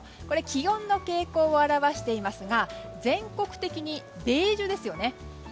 気温の傾向を表していますが全国的にベージュですよね。